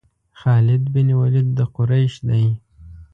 خالد بن ولید د قریش دی.